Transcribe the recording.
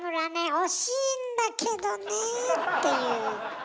惜しいんだけどねえっていう。